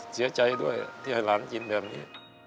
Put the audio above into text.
เสียใจด้วยที่ให้หลานกินแบบนี้